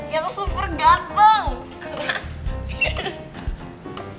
yang super ganteng